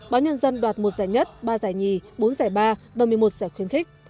báo nhân dân đoạt một giải nhất ba giải nhì bốn giải ba và một mươi một giải khuyến khích